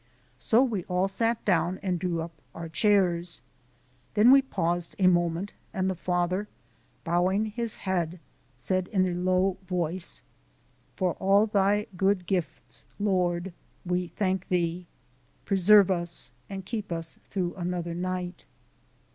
So we all sat down and drew up our chairs. Then we paused a moment, and the father, bowing his head, said in a low voice: "For all Thy good gifts, Lord, we thank Thee. Preserve us and keep us through another night."